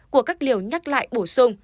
của các liều nhắc lại bổ sung